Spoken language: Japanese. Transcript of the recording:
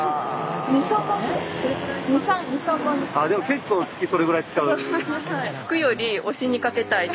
結構月それぐらい使う？